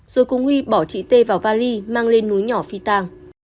rồi cùng huy bỏ chị tê vào vali mang lên núi nhỏ phi tàng